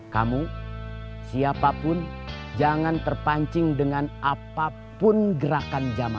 kamu siapapun jangan terpancing dengan apapun gerakan zaman